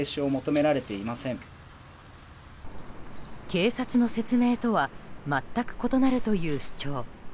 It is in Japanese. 警察の説明とは全く異なるという主張。